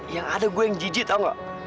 yang ada gua yang jijik tau gak